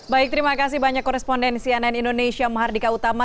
baik terima kasih banyak korespondensi ann indonesia mahardika utama